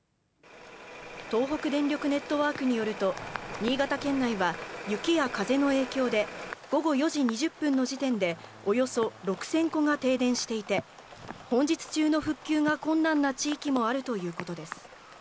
東北電力ネットワークによると新潟県内は雪や風の影響で、午後４時２０分の時点でおよそ６０００戸が停電していて、本日中の復旧が困難な地域もあるということです。